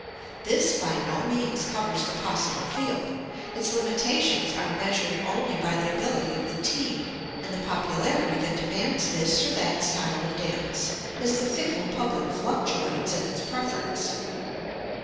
This by no means covers the possible field. Its limitations are measured only by the ability of the "team," and the popularity that demands this or that style of dance, as the fickle public fluctuates in its preference.